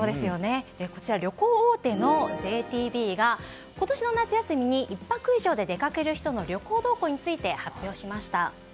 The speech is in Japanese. こちら、旅行大手のＪＴＢが今年の夏休みに１泊以上で出かける人の旅行動向について発表しました。